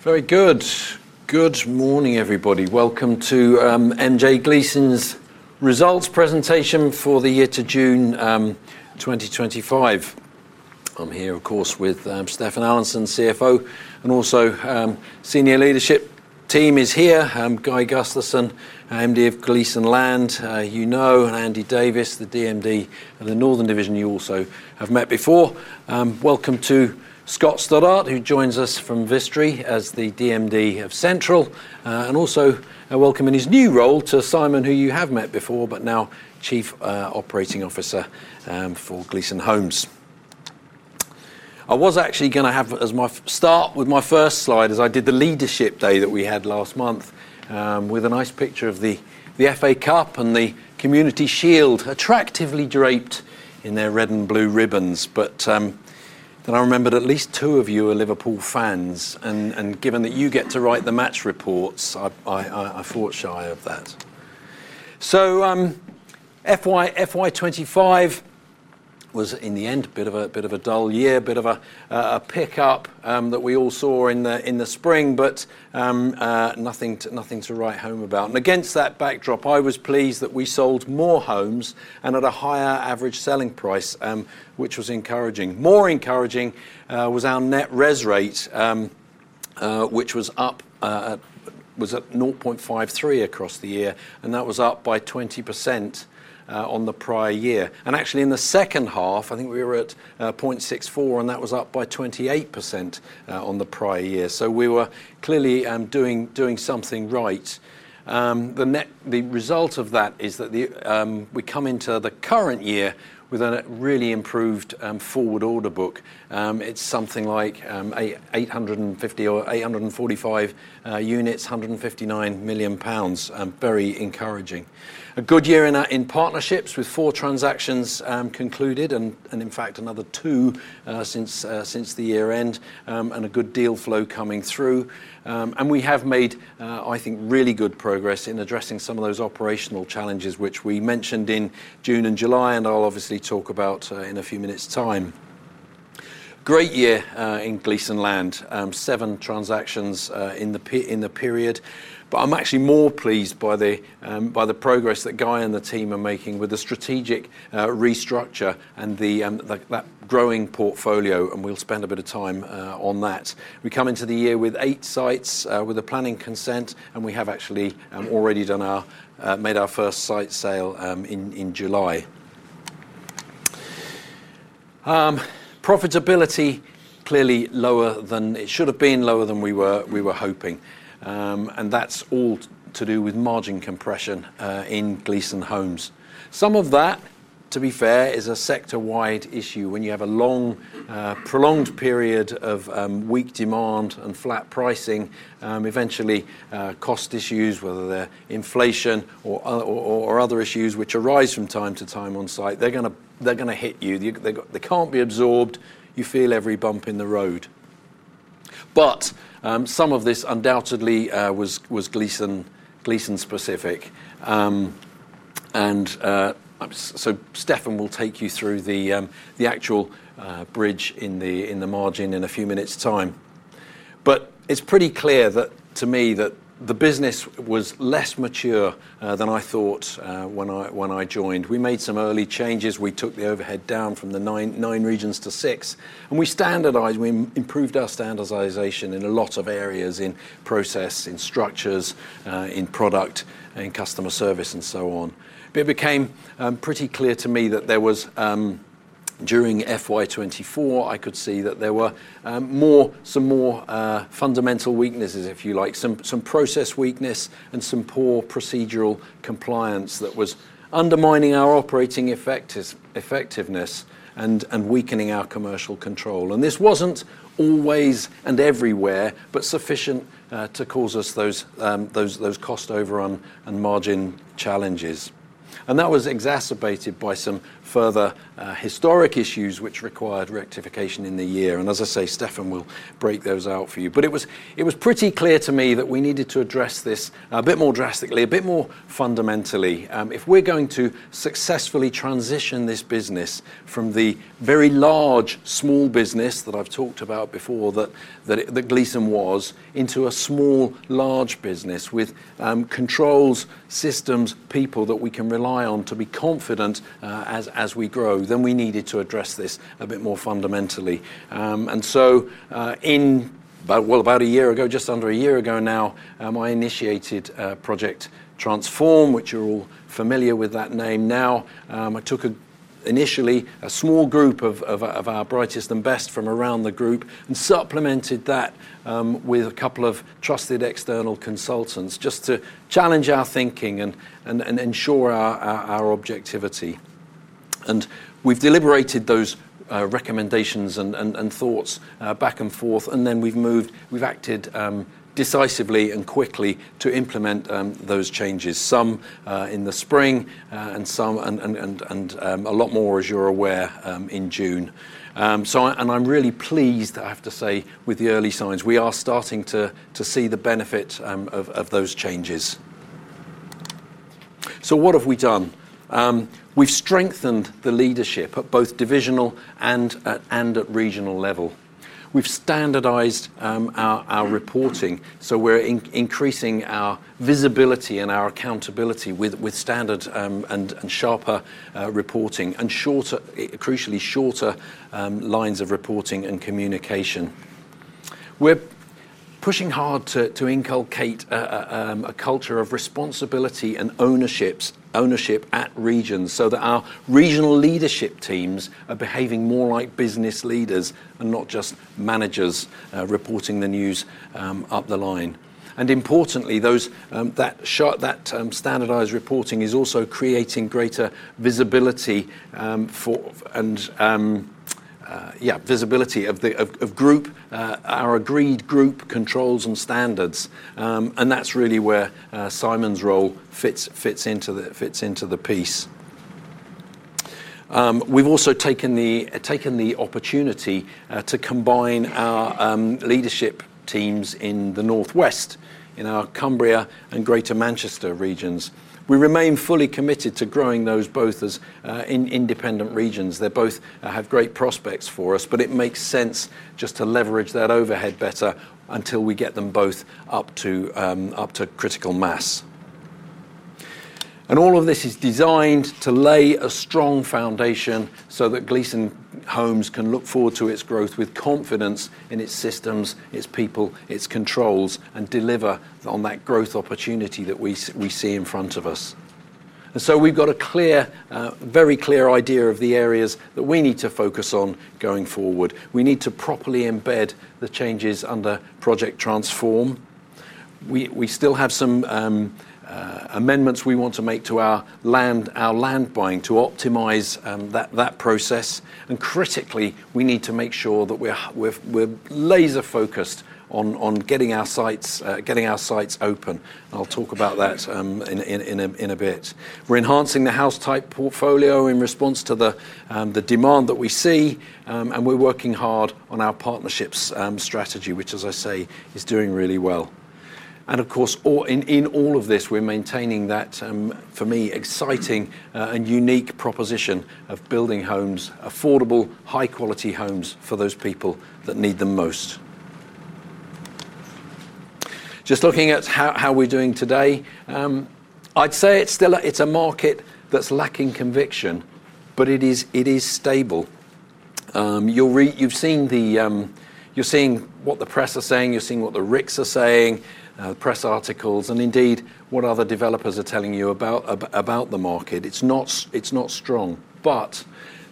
Very good. Good morning, everybody. Welcome to MJ Gleeson's Results Presentation for the Year to June 2025. I'm here, of course, with Stefan Allanson, CFO, and also the senior leadership team is here. Guy Gusterson, MD of Gleeson Land, you know, and Andy Davis, the Deputy Managing Director of the Northern Division, you also have met before. Welcome to Scott Stoddart, who joins us from Vistry as the Deputy Managing Director of Central, and also a welcome in his new role to Simon, who you have met before, but now Chief Operating Officer for Gleeson Homes. I was actually going to have as my start with my first slide as I did the leadership day that we had last month with a nice picture of the FA Cup and the Community Shield attractively draped in their red and blue ribbons. I remembered at least two of you are Liverpool fans. Given that you get to write the match reports, I thought shy of that. FY 2025 was in the end a bit of a dull year, a bit of a pickup that we all saw in the spring, nothing to write home about. Against that backdrop, I was pleased that we sold more homes and at a higher average selling price, which was encouraging. More encouraging was our net res rate, which was up at 0.53 across the year, and that was up by 20% on the prior year. Actually, in the second half, I think we were at 0.64, and that was up by 28% on the prior year. We were clearly doing something right. The result of that is that we come into the current year with a really improved forward order book. It's something like 845 units, £159 million, very encouraging. A good year in partnerships with four transactions concluded, and in fact, another two since the year end, and a good deal flow coming through. We have made, I think, really good progress in addressing some of those operational challenges which we mentioned in June and July, and I'll obviously talk about in a few minutes' time. Great year in Gleeson Land, seven transactions in the period, but I'm actually more pleased by the progress that Guy and the team are making with the strategic restructure and the growing portfolio, and we'll spend a bit of time on that. We come into the year with eight sites with a planning consent, and we have actually already made our first site sale in July. Profitability clearly lower than it should have been, lower than we were hoping. That's all to do with margin compression in Gleeson Homes. Some of that, to be fair, is a sector-wide issue. When you have a long, prolonged period of weak demand and flat pricing, eventually cost issues, whether they're inflation or other issues which arise from time to time on site, they're going to hit you. They can't be absorbed. You feel every bump in the road. Some of this undoubtedly was Gleeson specific. Stefan will take you through the actual bridge in the margin in a few minutes' time. It's pretty clear to me that the business was less mature than I thought when I joined. We made some early changes. We took the overhead down from the nine regions to six, and we standardized. We improved our standardization in a lot of areas: in process, in structures, in product, in customer service, and so on. It became pretty clear to me that during FY 2024, I could see that there were some more fundamental weaknesses, if you like, some process weakness and some poor procedural compliance that was undermining our operating effectiveness and weakening our commercial control. This wasn't always and everywhere, but sufficient to cause us those cost overrun and margin challenges. That was exacerbated by some further historic issues which required rectification in the year. As I say, Stefan will break those out for you. It was pretty clear to me that we needed to address this a bit more drastically, a bit more fundamentally. If we're going to successfully transition this business from the very large small business that I've talked about before, that Gleeson was, into a small large business with controls, systems, people that we can rely on to be confident as we grow, then we needed to address this a bit more fundamentally. In about a year ago, just under a year ago now, I initiated Project Transform, which you're all familiar with that name. I took initially a small group of our brightest and best from around the group and supplemented that with a couple of trusted external consultants just to challenge our thinking and ensure our objectivity. We've deliberated those recommendations and thoughts back and forth, and then we've moved, we've acted decisively and quickly to implement those changes, some in the spring and a lot more, as you're aware, in June. I'm really pleased, I have to say, with the early signs. We are starting to see the benefit of those changes. What have we done? We've strengthened the leadership at both divisional and at regional level. We've standardized our reporting. We're increasing our visibility and our accountability with standard and sharper reporting, and crucially, shorter lines of reporting and communication. We're pushing hard to inculcate a culture of responsibility and ownership at regions so that our regional leadership teams are behaving more like business leaders and not just managers reporting the news up the line. Importantly, that standardized reporting is also creating greater visibility of our agreed group controls and standards. That's really where Simon's role fits into the piece. We've also taken the opportunity to combine our leadership teams in the Northwest, in our Cumbria and Greater Manchester regions. We remain fully committed to growing those both as independent regions. They both have great prospects for us, but it makes sense just to leverage that overhead better until we get them both up to critical mass. All of this is designed to lay a strong foundation so that Gleeson Homes can look forward to its growth with confidence in its systems, its people, its controls, and deliver on that growth opportunity that we see in front of us. We've got a clear, very clear idea of the areas that we need to focus on going forward. We need to properly embed the changes under Project Transform. We still have some amendments we want to make to our land buying to optimize that process. Critically, we need to make sure that we're laser-focused on getting our sites open. I'll talk about that in a bit. We're enhancing the house-type portfolio in response to the demand that we see, and we're working hard on our partnerships strategy, which, as I say, is doing really well. Of course, in all of this, we're maintaining that, for me, exciting and unique proposition of building homes, affordable, high-quality homes for those people that need them most. Just looking at how we're doing today, I'd say it's still a market that's lacking conviction, but it is stable. You've seen what the press are saying. You're seeing what the RICS are saying, press articles, and indeed what other developers are telling you about the market. It's not strong, but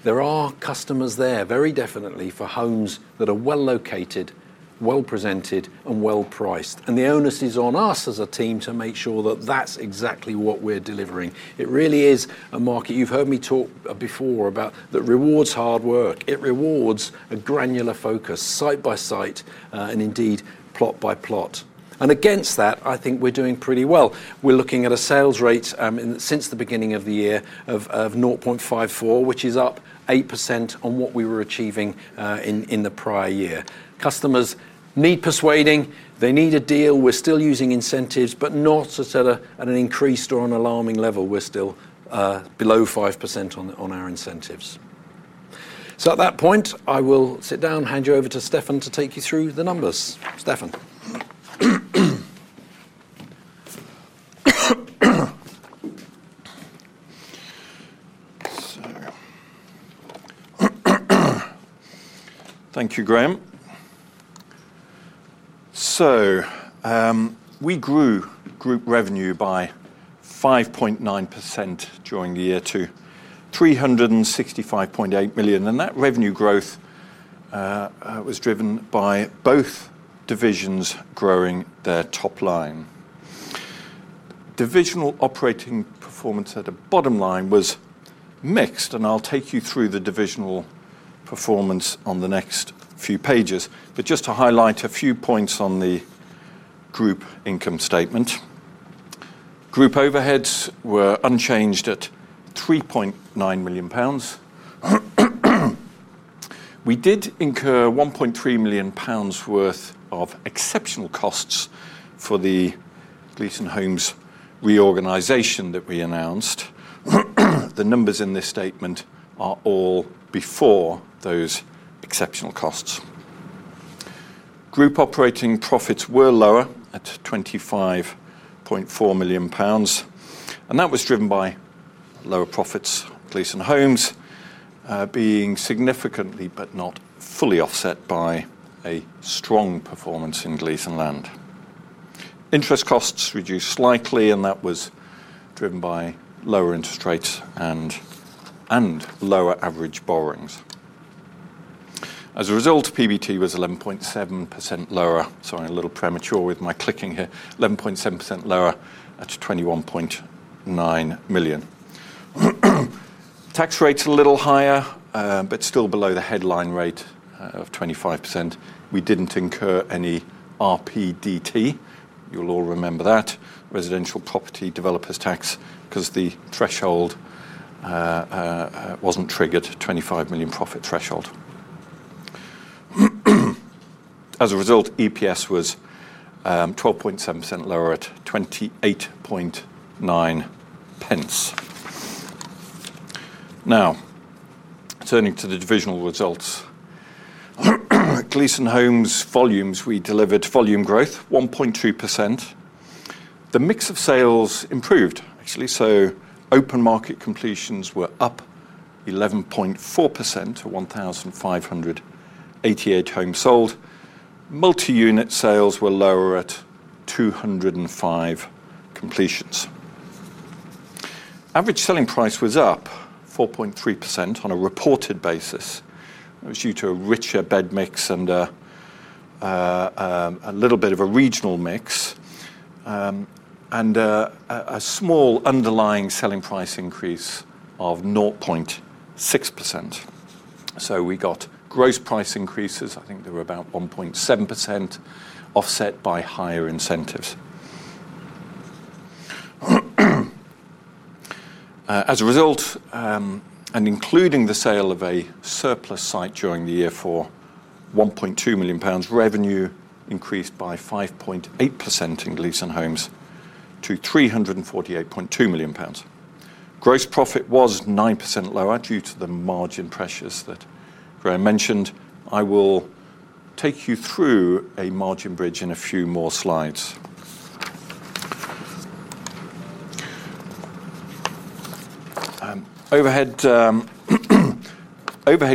there are customers there very definitely for homes that are well located, well presented, and well priced. The onus is on us as a team to make sure that that's exactly what we're delivering. It really is a market you've heard me talk before about that rewards hard work. It rewards a granular focus, site by site, and indeed plot by plot. Against that, I think we're doing pretty well. We're looking at a sales rate since the beginning of the year of 0.54, which is up 8% on what we were achieving in the prior year. Customers need persuading. They need a deal. We're still using incentives, but not at an increased or an alarming level. We're still below 5% on our incentives. At that point, I will sit down, hand you over to Stefan to take you through the numbers. Stefan. Thank you, Graham. We grew group revenue by 5.9% during the year to £365.8 million. That revenue growth was driven by both divisions growing their top line. Divisional operating performance at the bottom line was mixed, and I'll take you through the divisional performance on the next few pages. Just to highlight a few points on the group income statement, group overheads were unchanged at £3.9 million. We did incur £1.3 million worth of exceptional costs for the Gleeson Homes reorganization that we announced. The numbers in this statement are all before those exceptional costs. Group operating profits were lower at £25.4 million, and that was driven by lower profits. Gleeson Homes being significantly, but not fully offset by a strong performance in Gleeson Land. Interest costs reduced slightly, and that was driven by lower interest rates and lower average borrowings. As a result, PBT was 11.7% lower. Sorry, a little premature with my clicking here. 11.7% lower at £21.9 million. Tax rates are a little higher, but still below the headline rate of 25%. We didn't incur any RPDT. You'll all remember that, Residential Property Developers Tax, because the threshold wasn't triggered, £25 million profit threshold. As a result, EPS was 12.7% lower at GBX 28.9. Now, turning to the divisional results, Gleeson Homes volumes, we delivered volume growth, 1.2%. The mix of sales improved, actually. Open market completions were up 11.4%, 1,588 homes sold. Multi-unit sales were lower at 205 completions. Average selling price was up 4.3% on a reported basis. It was due to a richer bed mix and a little bit of a regional mix and a small underlying selling price increase of 0.6%. We got gross price increases. I think they were about 1.7% offset by higher incentives. As a result, and including the sale of a surplus site during the year for £1.2 million, revenue increased by 5.8% in Gleeson Homes to £348.2 million. Gross profit was 9% lower due to the margin pressures that Graham mentioned. I will take you through a margin bridge in a few more slides. Overhead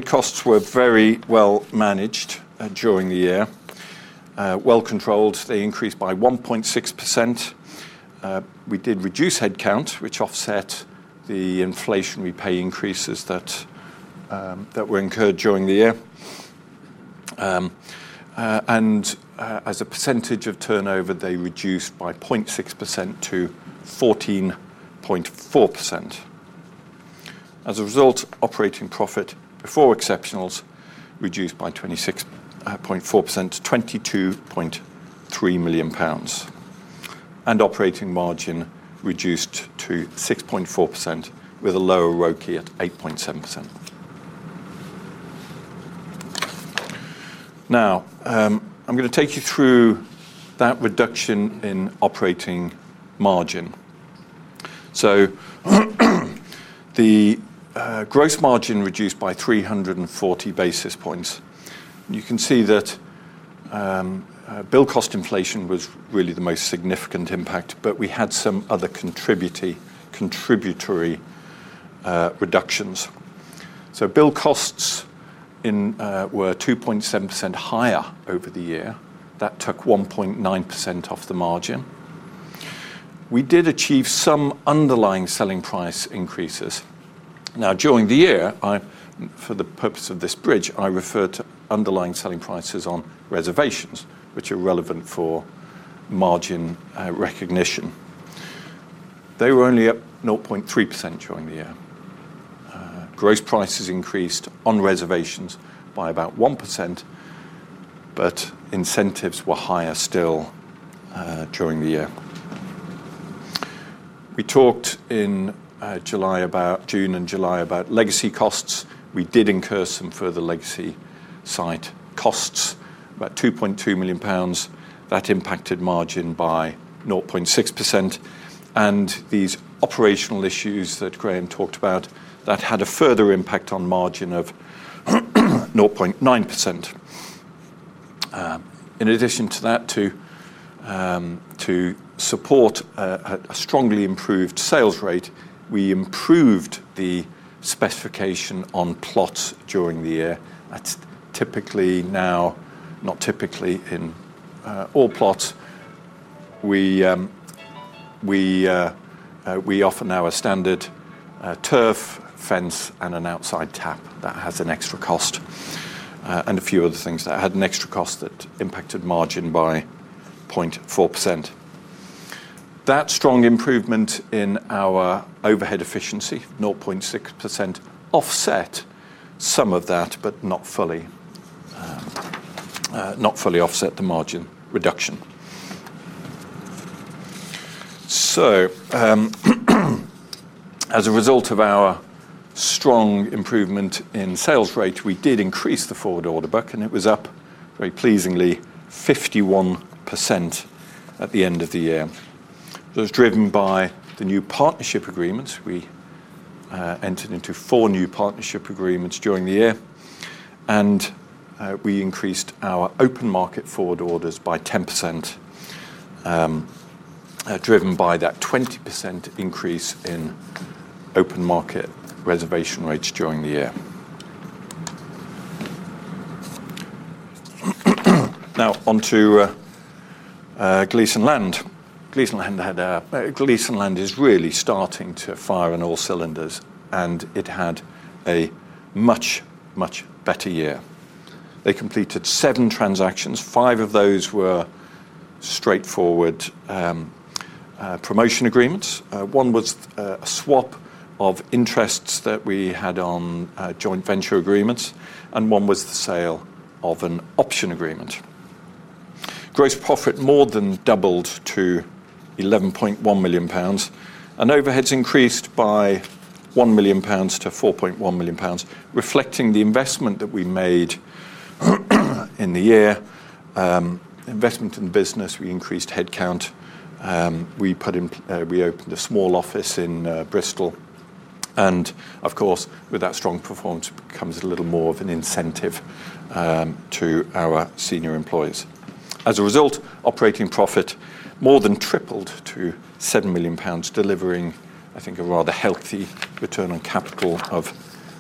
costs were very well managed during the year, well controlled. They increased by 1.6%. We did reduce headcount, which offset the inflationary pay increases that were incurred during the year. As a percentage of turnover, they reduced by 0.6%-14.4%. As a result, operating profit before exceptionals reduced by 26.4% to £22.3 million. Operating margin reduced to 6.4% with a lower ROKI at 8.7%. I am going to take you through that reduction in operating margin. The gross margin reduced by 340 basis points. You can see that build cost inflation was really the most significant impact, but we had some other contributory reductions. Build costs were 2.7% higher over the year. That took 1.9% off the margin. We did achieve some underlying selling price increases. During the year, for the purpose of this bridge, I refer to underlying selling prices on reservations, which are relevant for margin recognition. They were only up 0.3% during the year. Gross prices increased on reservations by about 1%, but incentives were higher still during the year. We talked in June and July about legacy costs. We did incur some further legacy site costs, about £2.2 million. That impacted margin by 0.6%. These operational issues that Graham talked about had a further impact on margin of 0.9%. In addition to that, to support a strongly improved sales rate, we improved the specification on plots during the year. That is typically now, not typically in all plots. We offer now a standard turf fence and an outside tap. That has an extra cost and a few other things that had an extra cost that impacted margin by 0.4%. That strong improvement in our overhead efficiency, 0.6%, offset some of that, but did not fully offset the margin reduction. As a result of our strong improvement in sales rate, we did increase the forward order book, and it was up very pleasingly 51% at the end of the year. It was driven by the new partnership agreements. We entered into four new partnership agreements during the year, and we increased our open market forward orders by 10%, driven by that 20% increase in open market reservation rates during the year. Now on to Gleeson Land. Gleeson Land is really starting to fire on all cylinders, and it had a much, much better year. They completed seven transactions. Five of those were straightforward promotion agreements. One was a swap of interests that we had on joint venture agreements, and one was the sale of an option agreement. Gross profit more than doubled to £11.1 million, and overheads increased by £1 million-£4.1 million, reflecting the investment that we made in the year. Investment in business, we increased headcount. We opened a small office in Bristol. Of course, with that strong performance comes a little more of an incentive to our senior employees. As a result, operating profit more than tripled to £7 million, delivering, I think, a rather healthy return on capital of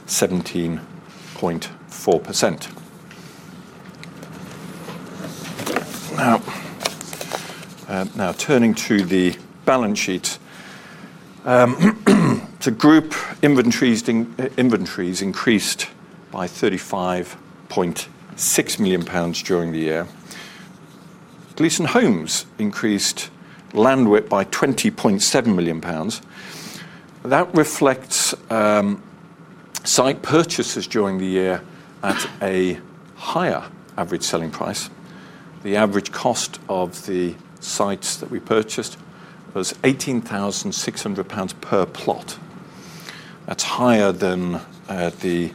17.4%. Now, turning to the balance sheet, the group inventories increased by £35.6 million during the year. Gleeson Homes increased land width by £20.7 million. That reflects site purchases during the year at a higher average selling price. The average cost of the sites that we purchased was £18,600 per plot. That's higher than the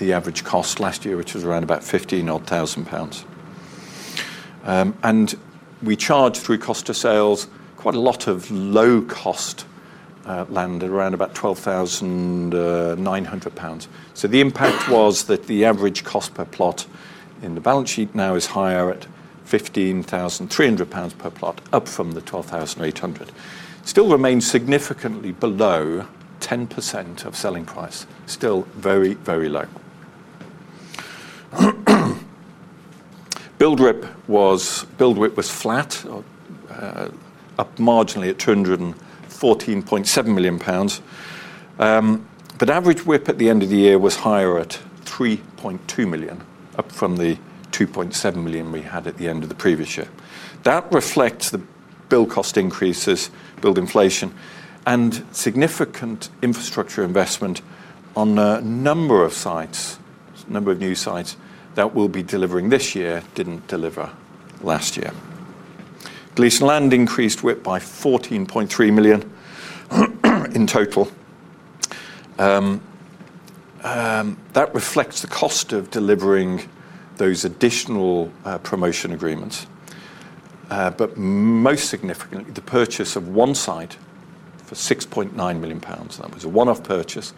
average cost last year, which was around about £15,000. We charged through cost of sales quite a lot of low-cost land at around about £12,900. The impact was that the average cost per plot in the balance sheet now is higher at £15,300 per plot, up from the £12,800. It still remains significantly below 10% of selling price. Still very, very low. Build was flat, up marginally at £214.7 million. Average width at the end of the year was higher at £3.2 million, up from the £2.7 million we had at the end of the previous year. That reflects the build cost increases, build cost inflation, and significant infrastructure investment on a number of sites, a number of new sites that we'll be delivering this year, didn't deliver last year. Gleeson Land increased width by £14.3 million in total. That reflects the cost of delivering those additional promotion agreements. Most significantly, the purchase of one site for £6.9 million. That was a one-off purchase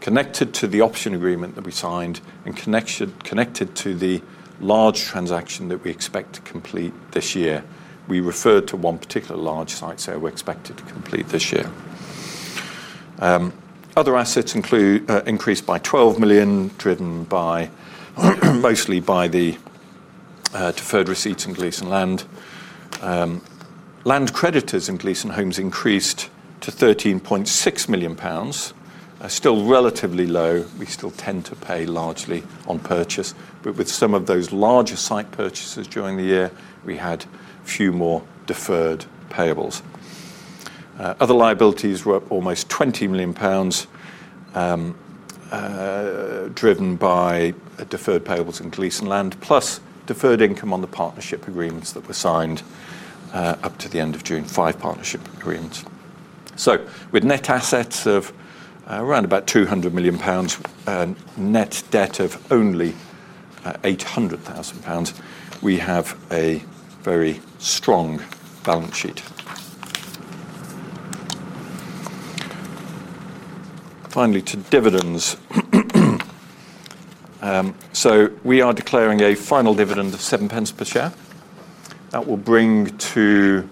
connected to the option agreement that we signed and connected to the large transaction that we expect to complete this year. We referred to one particular large site that we're expected to complete this year. Other assets increased by £12 million, driven mostly by the deferred receipts in Gleeson Land. Land creditors in Gleeson Homes increased to £13.6 million. Still relatively low. We still tend to pay largely on purchase. With some of those larger site purchases during the year, we had a few more deferred payables. Other liabilities were almost £20 million, driven by deferred payables in Gleeson Land, plus deferred income on the partnership agreements that were signed up to the end of June, five partnership agreements. With net assets of around about £200 million, a net debt of only £800,000, we have a very strong balance sheet. Finally, to dividends. We are declaring a final dividend of £0.07 per share. That will bring to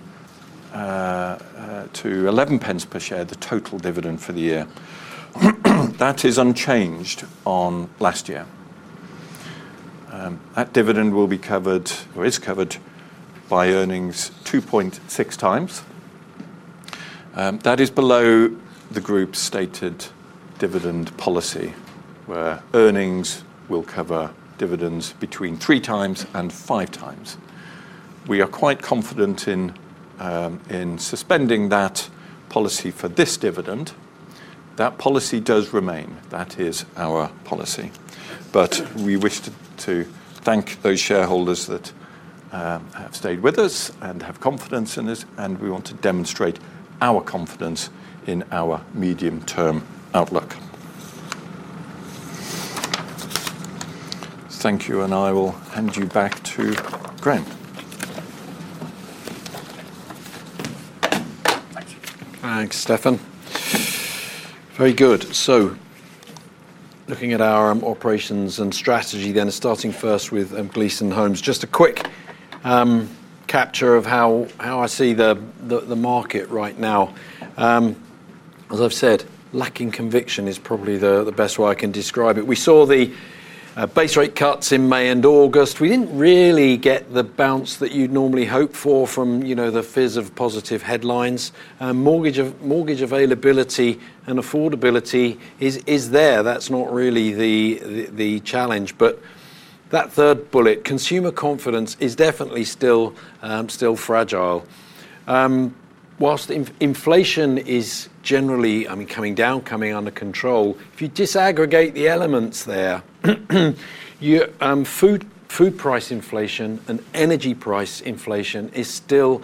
£0.11 per share the total dividend for the year. That is unchanged on last year. That dividend will be covered or is covered by earnings 2.6x. That is below the group-stated dividend policy where earnings will cover dividends between 3x and 5x. We are quite confident in suspending that policy for this dividend. That policy does remain. That is our policy. We wish to thank those shareholders that have stayed with us and have confidence in us, and we want to demonstrate our confidence in our medium-term outlook. Thank you, and I will hand you back to Graham. Thanks, Stefan. Very good. Looking at our operations and strategy, starting first with Gleeson Homes, just a quick capture of how I see the market right now. As I've said, lacking conviction is probably the best way I can describe it. We saw the base rate cuts in May and August. We didn't really get the bounce that you'd normally hope for from the fizz of positive headlines. Mortgage availability and affordability is there. That's not really the challenge. That third bullet, consumer confidence, is definitely still fragile. Whilst inflation is generally, I mean, coming down, coming under control, if you disaggregate the elements there, food price inflation and energy price inflation is still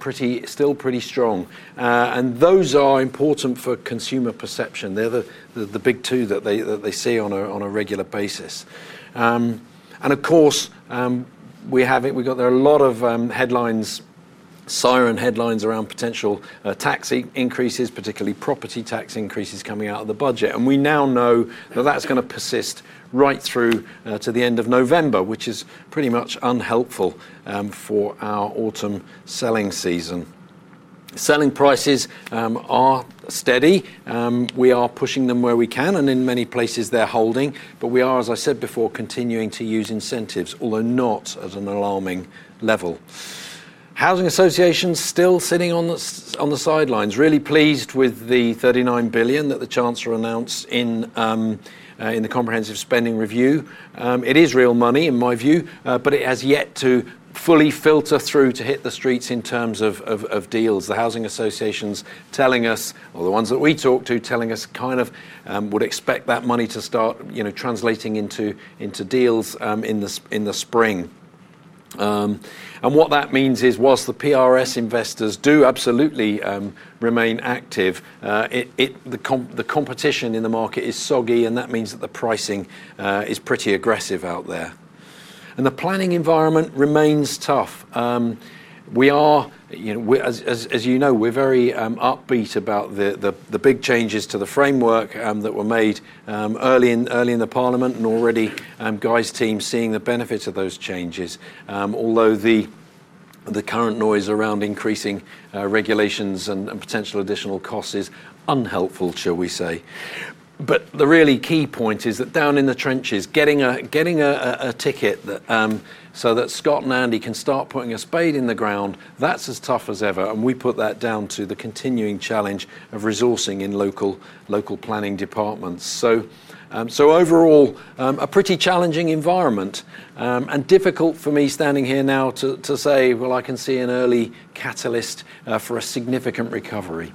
pretty strong. Those are important for consumer perception. They're the big two that they see on a regular basis. Of course, we've got a lot of siren headlines around potential tax increases, particularly property tax increases coming out of the budget. We now know that that's going to persist right through to the end of November, which is pretty much unhelpful for our autumn selling season. Selling prices are steady. We are pushing them where we can, and in many places, they're holding. We are, as I said before, continuing to use incentives, although not at an alarming level. Housing associations are still sitting on the sidelines, really pleased with the £39 billion that the Chancellor announced in the comprehensive spending review. It is real money, in my view, but it has yet to fully filter through to hit the streets in terms of deals. The housing associations telling us, or the ones that we talked to telling us, kind of would expect that money to start translating into deals in the spring. What that means is, whilst the PRS investors do absolutely remain active, the competition in the market is soggy, and that means that the pricing is pretty aggressive out there. The planning environment remains tough. As you know, we're very upbeat about the big changes to the framework that were made early in the Parliament, and already Guy's team is seeing the benefit of those changes. Although the current noise around increasing regulations and potential additional costs is unhelpful, shall we say. The really key point is that down in the trenches, getting a ticket so that Scott and Andy can start putting a spade in the ground, that's as tough as ever. We put that down to the continuing challenge of resourcing in local planning departments. Overall, a pretty challenging environment and difficult for me standing here now to say, I can see an early catalyst for a significant recovery.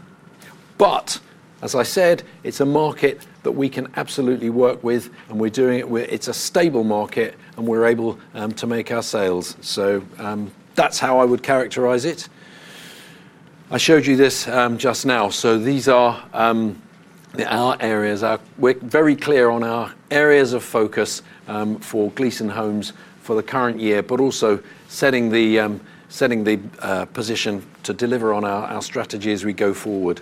As I said, it's a market that we can absolutely work with, and we're doing it. It's a stable market, and we're able to make our sales. That's how I would characterize it. I showed you this just now. These are our areas. We're very clear on our areas of focus for Gleeson Homes for the current year, but also setting the position to deliver on our strategy as we go forward.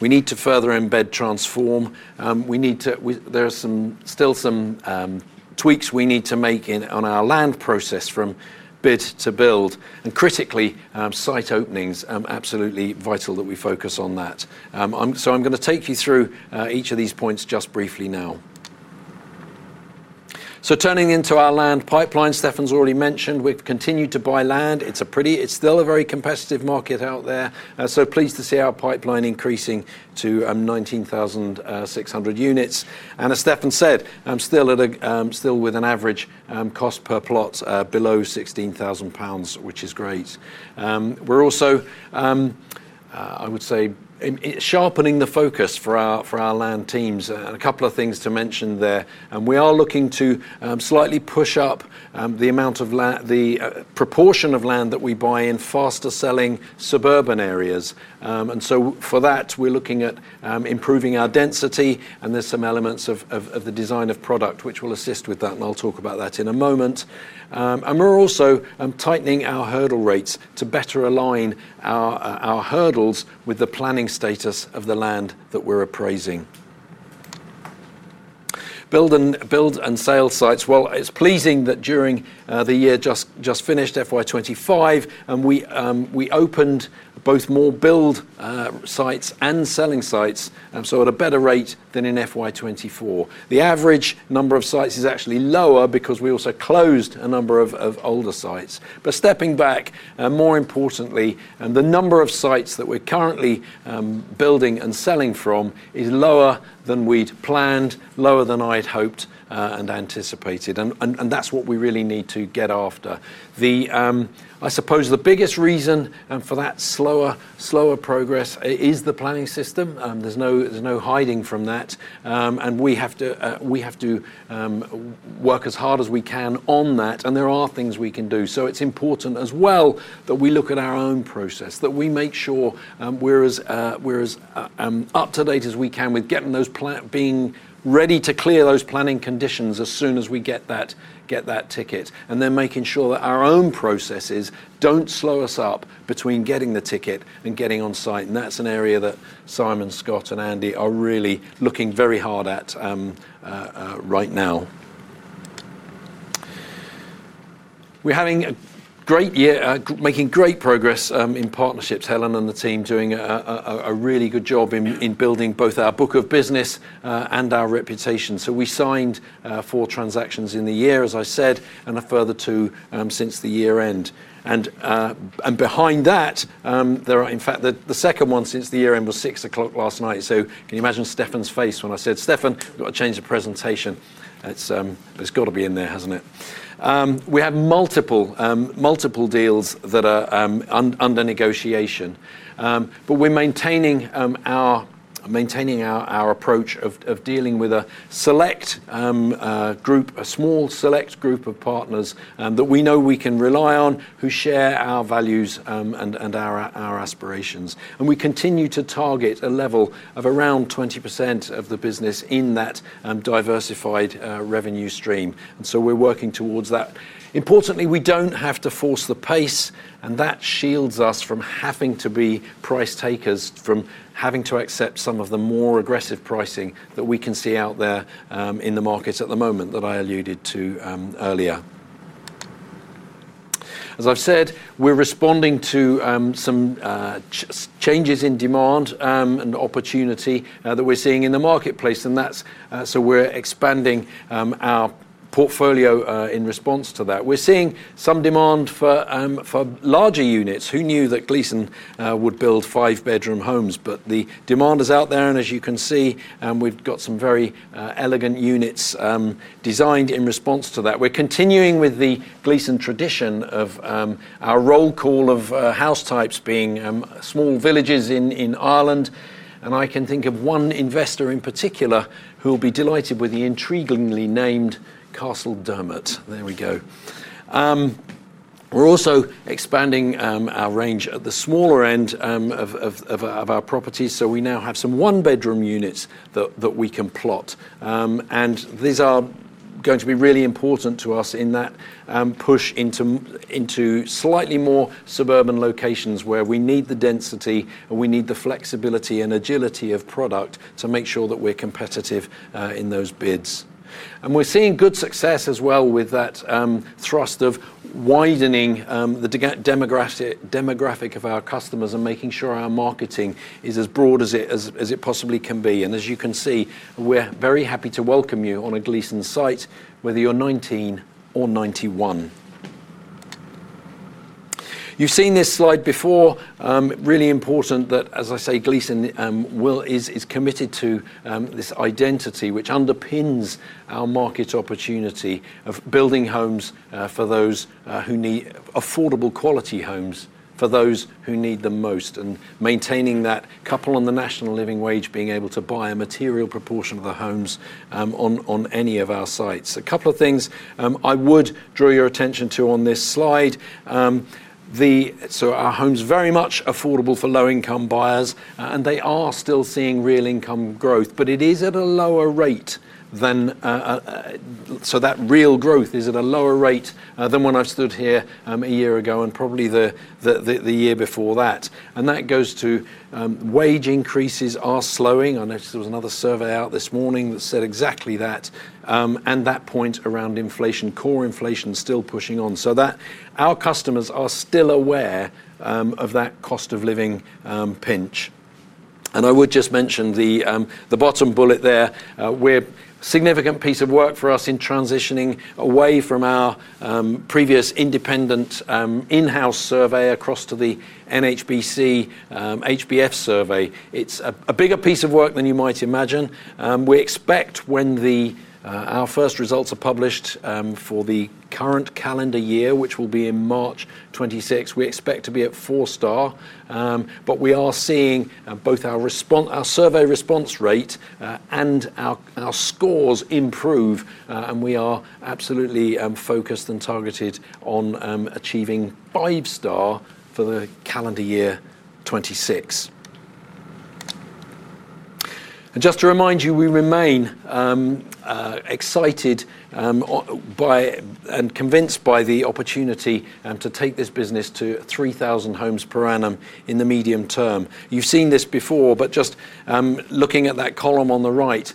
We need to further embed Project Transform. There are still some tweaks we need to make on our land process from bid to build. Critically, site openings, absolutely vital that we focus on that. I'm going to take you through each of these points just briefly now. Turning into our land pipeline, Stefan's already mentioned, we've continued to buy land. It's still a very competitive market out there. Pleased to see our pipeline increasing to 19,600 units. As Stefan said, still with an average land cost per plot below £16,000, which is great. We're also, I would say, sharpening the focus for our land teams. A couple of things to mention there. We are looking to slightly push up the proportion of land that we buy in faster-selling suburban areas. For that, we're looking at improving our density, and there's some elements of the design of product which will assist with that. I'll talk about that in a moment. We're also tightening our hurdle rates to better align our hurdles with the planning status of the land that we're appraising. Build and sale sites. It's pleasing that during the year just finished, FY 2025, we opened both more build sites and selling sites at a better rate than in FY 2024. The average number of sites is actually lower because we also closed a number of older sites. Stepping back, more importantly, the number of sites that we're currently building and selling from is lower than we'd planned, lower than I'd hoped and anticipated. That's what we really need to get after. I suppose the biggest reason for that slower progress is the planning system. There's no hiding from that. We have to work as hard as we can on that. There are things we can do. It's important as well that we look at our own process, that we make sure we're as up to date as we can with getting those being ready to clear those planning conditions as soon as we get that ticket. Then making sure that our own processes don't slow us up between getting the ticket and getting on site. That's an area that Simon, Scott, and Andy are really looking very hard at right now. We're having a great year, making great progress in partnerships. Helen and the team are doing a really good job in building both our book of business and our reputation. We signed four transactions in the year, as I said, and a further two since the year end. Behind that, in fact, the second one since the year end was 6:00 P.M. last night. Can you imagine Stefan's face when I said, "Stefan, we've got to change the presentation"? It's got to be in there, hasn't it? We have multiple deals that are under negotiation. We're maintaining our approach of dealing with a select group, a small select group of partners that we know we can rely on, who share our values and our aspirations. We continue to target a level of around 20% of the business in that diversified revenue stream, and we're working towards that. Importantly, we don't have to force the pace, and that shields us from having to be price takers, from having to accept some of the more aggressive pricing that we can see out there in the markets at the moment that I alluded to earlier. As I've said, we're responding to some changes in demand and opportunity that we're seeing in the marketplace. That's why we're expanding our portfolio in response to that. We're seeing some demand for larger units. Who knew that Gleeson would build five-bedroom homes? The demand is out there, and as you can see, we've got some very elegant units designed in response to that. We're continuing with the Gleeson tradition of our roll call of house types being small villages in Ireland. I can think of one investor in particular who will be delighted with the intriguingly named Castledermot. There we go. We're also expanding our range at the smaller end of our properties. We now have some one-bedroom units that we can plot. These are going to be really important to us in that push into slightly more suburban locations where we need the density and we need the flexibility and agility of product to make sure that we're competitive in those bids. We're seeing good success as well with that thrust of widening the demographic of our customers and making sure our marketing is as broad as it possibly can be. As you can see, we're very happy to welcome you on a Gleeson site, whether you're 19 or 91. You've seen this slide before. It's really important that, as I say, Gleeson is committed to this identity which underpins our market opportunity of building homes for those who need affordable quality homes for those who need the most and maintaining that couple on the national living wage, being able to buy a material proportion of the homes on any of our sites. A couple of things I would draw your attention to on this slide. Our home is very much affordable for low-income buyers, and they are still seeing real income growth, but it is at a lower rate than so that real growth is at a lower rate than when I stood here a year ago and probably the year before that. That goes to wage increases are slowing. I noticed there was another survey out this morning that said exactly that. That point around inflation, core inflation is still pushing on. Our customers are still aware of that cost of living pinch. I would just mention the bottom bullet there. We're a significant piece of work for us in transitioning away from our previous independent in-house survey across to the NHBC HBF survey. It's a bigger piece of work than you might imagine. We expect when our first results are published for the current calendar year, which will be in March 2026, we expect to be at four star. We are seeing both our survey response rate and our scores improve, and we are absolutely focused and targeted on achieving five star for the calendar year 2026. Just to remind you, we remain excited by and convinced by the opportunity to take this business to 3,000 homes per annum in the medium term. You've seen this before, but just looking at that column on the right,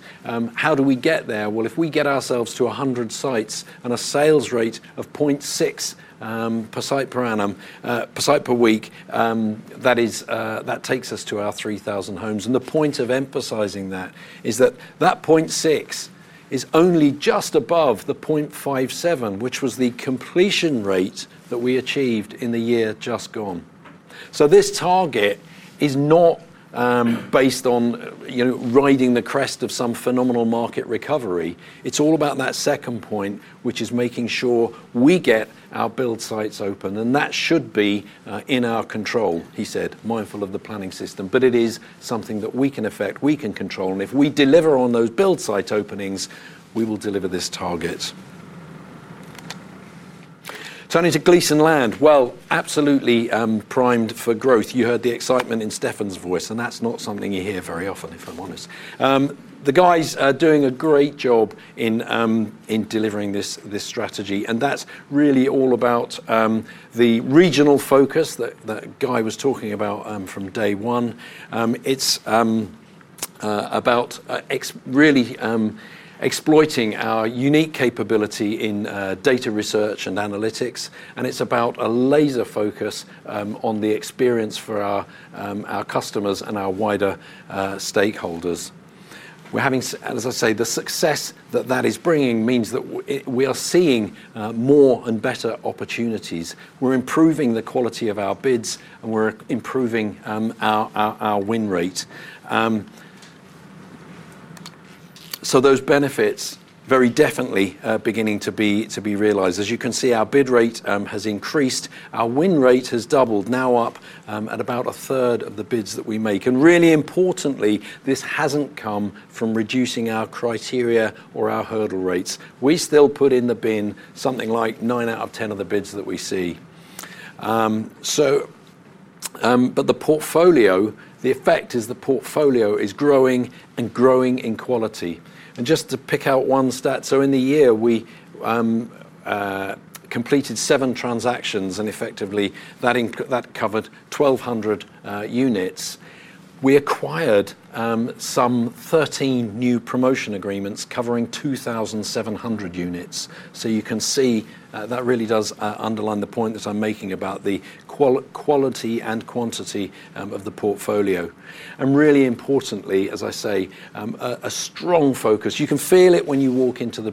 how do we get there? If we get ourselves to 100 sites and a sales rate of 0.6 per site per week, that takes us to our 3,000 homes. The point of emphasizing that is that 0.6 is only just above the 0.57, which was the completion rate that we achieved in the year just gone. This target is not based on riding the crest of some phenomenal market recovery. It's all about that second point, which is making sure we get our build sites open. That should be in our control, he said, mindful of the planning system. It is something that we can affect, we can control. If we deliver on those build site openings, we will deliver this target. Turning to Gleeson Land, absolutely primed for growth. You heard the excitement in Stefan's voice, and that's not something you hear very often, if I'm honest. The guys are doing a great job in delivering this strategy. That is really all about the regional focus that Guy was talking about from day one. It's about really exploiting our unique capability in data research and analytics. It's about a laser focus on the experience for our customers and our wider stakeholders. We're having, as I say, the success that is bringing means that we are seeing more and better opportunities. We're improving the quality of our bids, and we're improving our win rate. Those benefits are very definitely beginning to be realized. As you can see, our bid rate has increased. Our win rate has doubled, now up at about a third of the bids that we make. Really importantly, this hasn't come from reducing our criteria or our hurdle rates. We still put in the bin something like nine out of 10 of the bids that we see. The effect is the portfolio is growing and growing in quality. Just to pick out one stat, in the year, we completed seven transactions, and effectively, that covered 1,200 units. We acquired some 13 new promotion agreements covering 2,700 units. You can see that really does underline the point that I'm making about the quality and quantity of the portfolio. Really importantly, as I say, a strong focus. You can feel it when you walk into the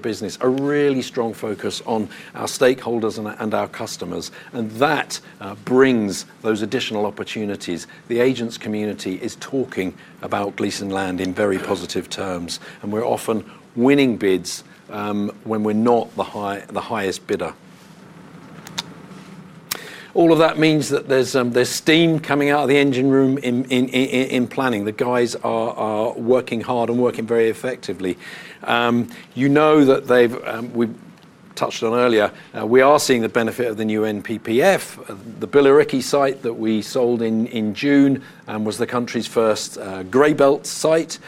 business. A really strong focus on our stakeholders and our customers. That brings those additional opportunities. The agents community is talking about Gleeson Land in very positive terms. We're often winning bids when we're not the highest bidder. All of that means that there's steam coming out of the engine room in planning. The guys are working hard and working very effectively. You know that we touched on earlier, we are seeing the benefit of the new NPPF. The Billericay site that we sold in June was the country's first grey belt site.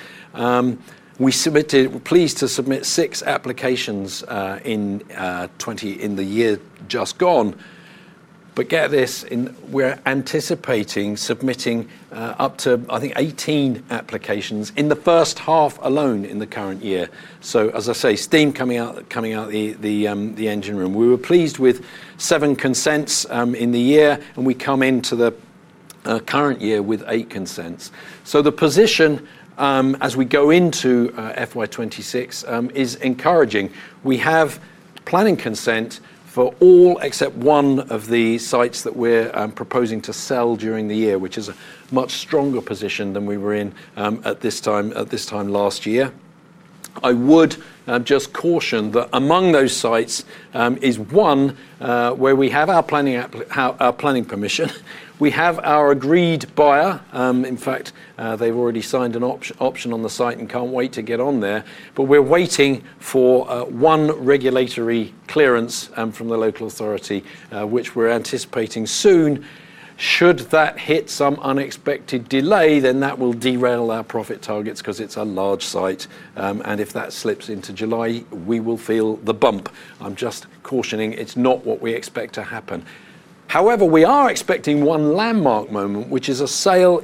We're pleased to submit six applications in the year just gone. Get this, we're anticipating submitting up to, I think, 18 applications in the first half alone in the current year. As I say, steam coming out the engine room. We were pleased with seven consents in the year, and we come into the current year with eight consents. The position as we go into FY 2026 is encouraging. We have planning consent for all except one of the sites that we're proposing to sell during the year, which is a much stronger position than we were in at this time last year. I would just caution that among those sites is one where we have our planning permission. We have our agreed buyer. In fact, they've already signed an option on the site and can't wait to get on there. We're waiting for one regulatory clearance from the local authority, which we're anticipating soon. Should that hit some unexpected delay, that will derail our profit targets because it's a large site. If that slips into July, we will feel the bump. I'm just cautioning it's not what we expect to happen. We are expecting one landmark moment, which is a sale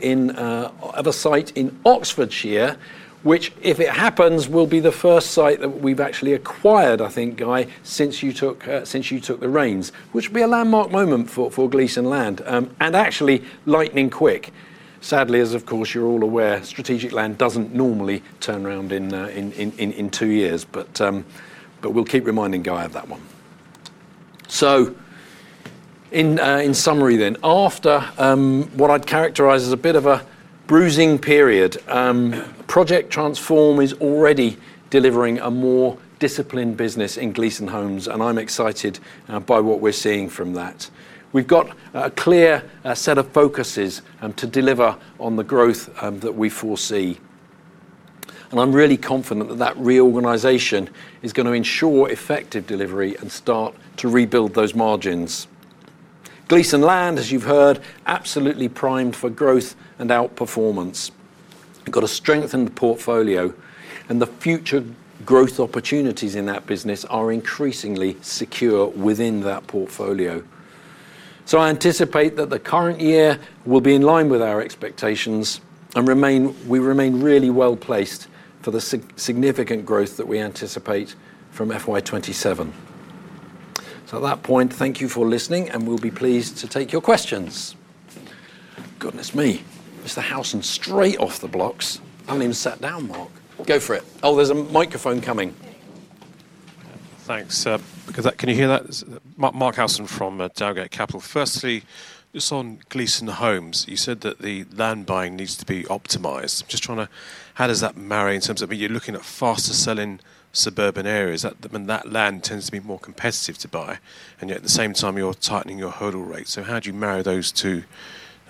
of a site in Oxfordshire, which if it happens, will be the first site that we've actually acquired, I think, Guy, since you took the reins, which will be a landmark moment for Gleeson Land. Actually, lightning quick. Sadly, as of course, you're all aware, strategic land doesn't normally turn around in two years. We'll keep reminding Guy of that one. In summary, after what I'd characterize as a bit of a bruising period, Project Transform is already delivering a more disciplined business in Gleeson Homes, and I'm excited by what we're seeing from that. We've got a clear set of focuses to deliver on the growth that we foresee. I'm really confident that that reorganization is going to ensure effective delivery and start to rebuild those margins. Gleeson Land, as you've heard, absolutely primed for growth and outperformance. We've got a strengthened portfolio, and the future growth opportunities in that business are increasingly secure within that portfolio. I anticipate that the current year will be in line with our expectations, and we remain really well placed for the significant growth that we anticipate from FY 2027. At that point, thank you for listening, and we'll be pleased to take your questions. Goodness me, Mr. Housen, straight off the blocks. I haven't even sat down, Mark. Go for it. Oh, there's a microphone coming. Thanks, sir. Can you hear that? Mark Housen from Target Capital. Firstly, it's on Gleeson Homes. You said that the land buying needs to be optimized. Just trying to, how does that marry in terms of you're looking at faster selling suburban areas, and that land tends to be more competitive to buy. Yet at the same time, you're tightening your hurdle rate. How do you marry those two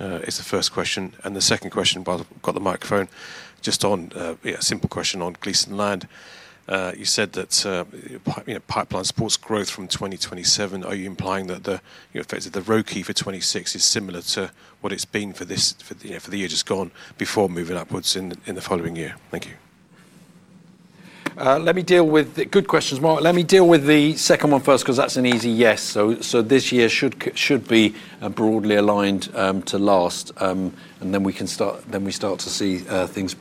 is the first question. The second question, by the way, I've got the microphone. Just on a simple question on Gleeson Land. You said that pipeline supports growth from 2027. Are you implying that the ROKI for 2026 is similar to what it's been for the year just gone before moving upwards in the following year? Thank you. Let me deal with good questions, Mark. Let me deal with the second one first because that's an easy yes. This year should be broadly aligned to last, and then we can start to see things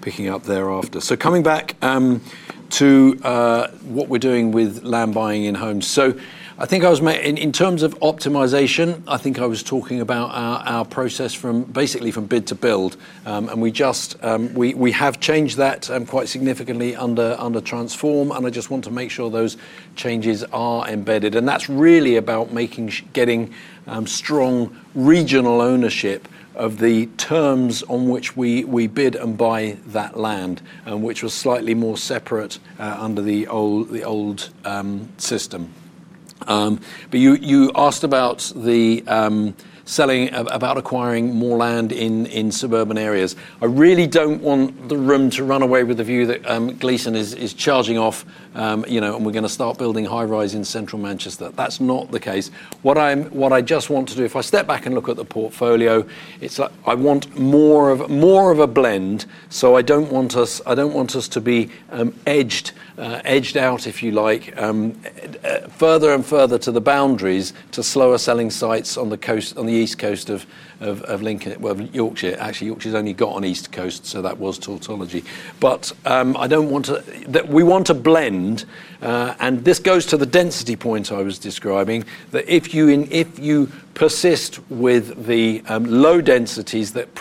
picking up thereafter. Coming back to what we're doing with land buying in homes, I think I was, in terms of optimization, talking about our process from basically from bid to build. We have changed that quite significantly under Transform, and I just want to make sure those changes are embedded. That's really about getting strong regional ownership of the terms on which we bid and buy that land, which was slightly more separate under the old system. You asked about selling, about acquiring more land in suburban areas. I really don't want the room to run away with the view that Gleeson is charging off, you know, and we're going to start building high-rise in central Manchester. That's not the case. If I step back and look at the portfolio, it's like I want more of a blend. I don't want us to be edged out, if you like, further and further to the boundaries to slower selling sites on the east coast of Yorkshire. Actually, Yorkshire's only got on the east coast, so that was tautology. We want to blend. This goes to the density points I was describing, that if you persist with the low densities that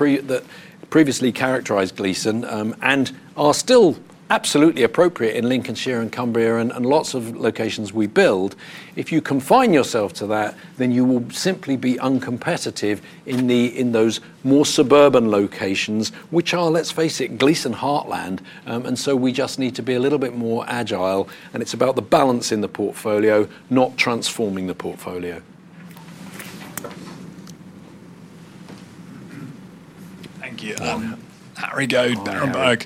previously characterized Gleeson and are still absolutely appropriate in Lincolnshire and Cumbria and lots of locations we build, if you confine yourself to that, then you will simply be uncompetitive in those more suburban locations, which are, let's face it, Gleeson heartland. We just need to be a little bit more agile. It's about the balance in the portfolio, not transforming the portfolio. Thank you. Harry Goldberg.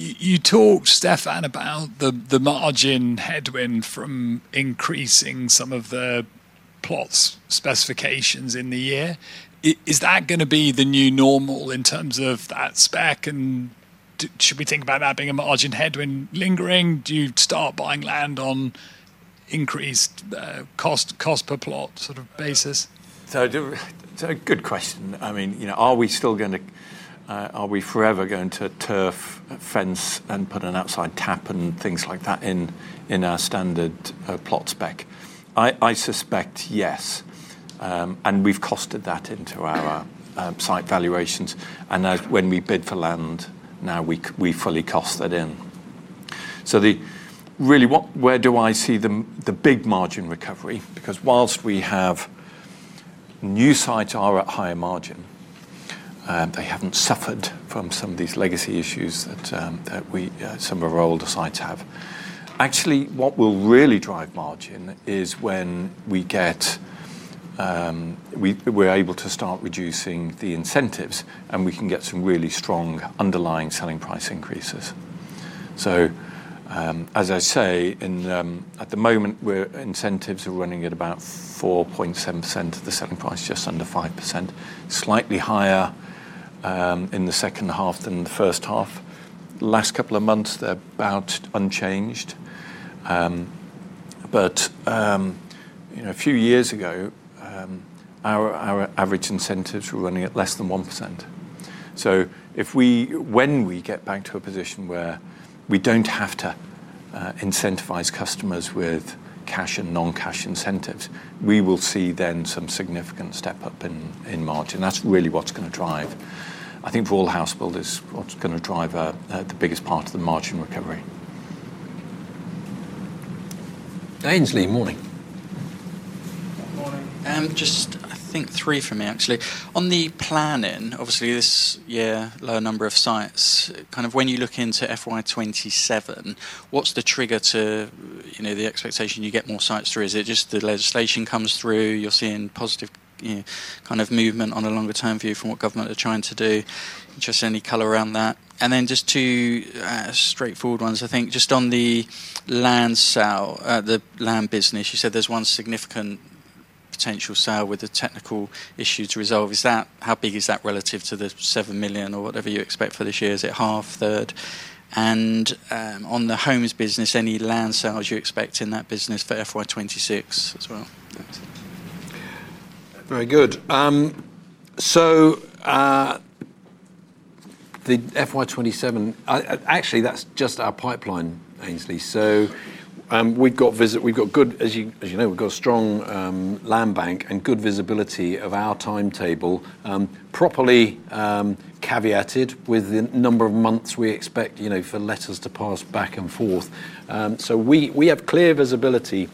You talked, Stefan, about the margin headwind from increasing some of the plots' specifications in the year. Is that going to be the new normal in terms of that spec? Should we think about that being a margin headwind lingering? Do you start buying land on increased average land cost per plot sort of basis? Good question. I mean, you know, are we still going to, are we forever going to turf fence and put an outside tap and things like that in our standard plot spec? I suspect yes. We've costed that into our site valuations, and when we bid for land now, we fully cost that in. Where do I see the big margin recovery? Because whilst we have new sites at higher margin, they haven't suffered from some of these legacy issues that some of our older sites have. Actually, what will really drive margin is when we're able to start reducing the incentives, and we can get some really strong underlying selling price increases. As I say, at the moment, incentives are running at about 4.7% of the selling price, just under 5%. Slightly higher in the second half than the first half. The last couple of months, they're about unchanged. A few years ago, our average incentives were running at less than 1%. When we get back to a position where we don't have to incentivize customers with cash and non-cash incentives, we will see then some significant step up in margin. That's really what's going to drive, I think, for all households, what's going to drive the biggest part of the margin recovery. Aynsley, morning. Morning. I think three for me, actually. On the planning, obviously, this year, low number of sites. When you look into FY 2027, what's the trigger to the expectation you get more sites through? Is it just the legislation comes through? You're seeing positive movement on a longer-term view from what government are trying to do. Any color around that? Two straightforward ones, I think. On the land sale, the land business, you said there's one significant potential sale with a technical issue to resolve. How big is that relative to the £7 million or whatever you expect for this year? Is it half, third? On the homes business, any land sales you expect in that business for FY 2026 as well? Very good. The FY 2027, actually, that's just our pipeline, Aynsley. We've got good, as you know, we've got a strong land bank and good visibility of our timetable, properly caveated with the number of months we expect for letters to pass back and forth. We have clear visibility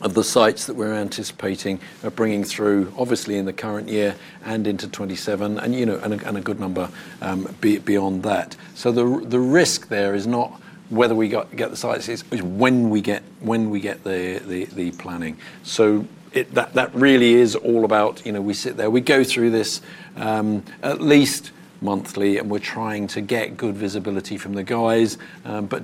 of the sites that we're anticipating bringing through, obviously, in the current year and into 2027 and a good number beyond that. The risk there is not whether we get the sites, it's when we get the planning. That really is all about, you know, we sit there, we go through this at least monthly, and we're trying to get good visibility from the guys.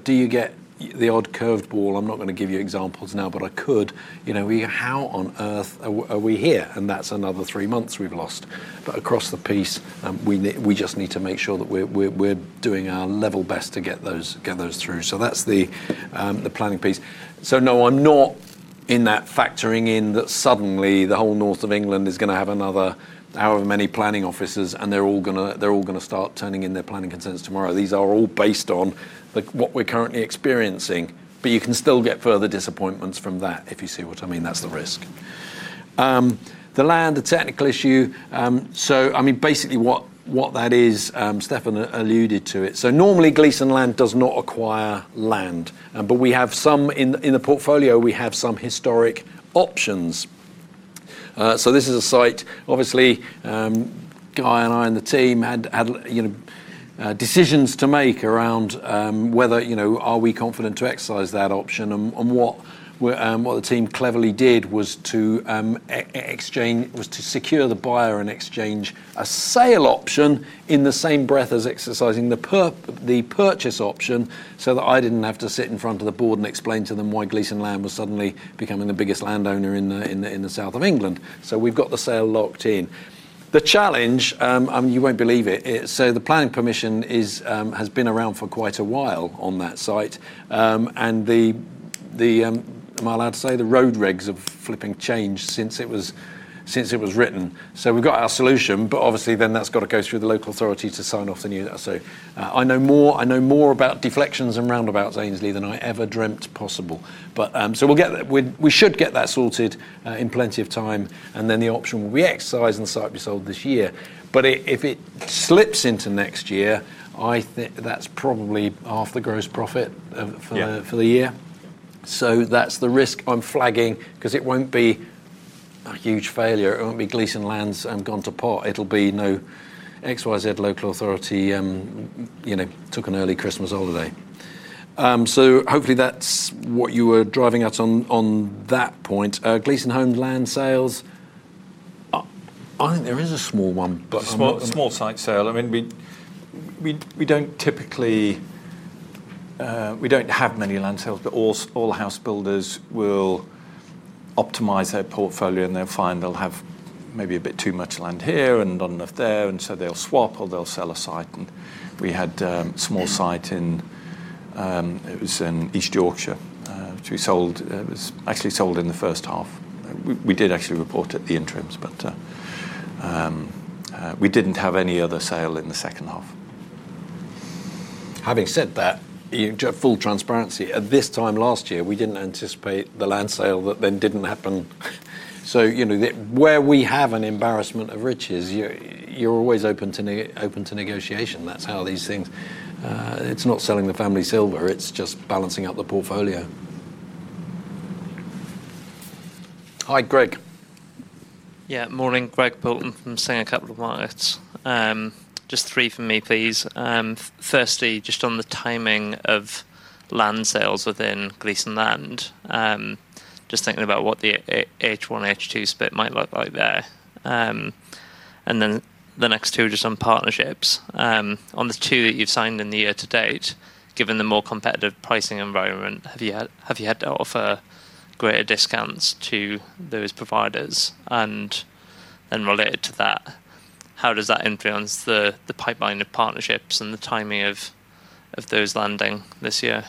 Do you get the odd curveball? I'm not going to give you examples now, but I could. You know, how on earth are we here? That's another three months we've lost. Across the piece, we just need to make sure that we're doing our level best to get those through. That's the planning piece. No, I'm not factoring in that suddenly the whole north of England is going to have another, however many planning offices, and they're all going to start turning in their planning consents tomorrow. These are all based on what we're currently experiencing. You can still get further disappointments from that if you see what I mean. That's the risk. The land, a technical issue. Basically, what that is, Stefan alluded to it. Normally, Gleeson Land does not acquire land, but we have some in the portfolio, we have some historic options. This is a site, obviously, Guy and I and the team had decisions to make around whether, you know, are we confident to exercise that option? What the team cleverly did was to secure the buyer and exchange a sale option in the same breath as exercising the purchase option so that I didn't have to sit in front of the board and explain to them why Gleeson Land was suddenly becoming the biggest landowner in the south of England. We've got the sale locked in. The challenge, you won't believe it, the planning permission has been around for quite a while on that site. Am I allowed to say, the road regs have flipping changed since it was written. We've got our solution, but obviously, then that's got to go through the local authority to sign off the new. I know more about deflections and roundabouts, Aynsley, than I ever dreamt possible. We'll get that. We should get that sorted in plenty of time. The option, we exercise the site we sold this year. If it slips into next year, I think that's probably half the gross profit for the year. That's the risk I'm flagging because it won't be a huge failure. It won't be Gleeson Land's gone to pot. It'll be no, XYZ local authority took an early Christmas holiday. Hopefully, that's what you were driving at on that point. Gleeson Homes land sales, I think there is a small one. Small site sale. We don't typically have many land sales, but all the house builders will optimize their portfolio and they'll find they have maybe a bit too much land here and not enough there. They'll swap or they'll sell a site. We had a small site in East Yorkshire, which we sold. It was actually sold in the first half. We did report it at the interims, but we didn't have any other sale in the second half. Having said that, you do have full transparency. At this time last year, we didn't anticipate the land sale that then didn't happen. You know where we have an embarrassment of riches, you're always open to negotiation. That's how these things work. It's not selling the family silver. It's just balancing out the portfolio. Hi, Greg. Yeah, morning. Greg Bolton from Singer Capital Markets. Just three for me, please. Firstly, just on the timing of land sales within Gleeson Land. Just thinking about what the H1, H2 split might look like there. The next two are just on partnerships. On the two that you've signed in the year to date, given the more competitive pricing environment, have you had to offer greater discounts to those providers? Related to that, how does that influence the pipeline of partnerships and the timing of those landing this year?